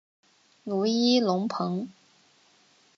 努伊隆蓬。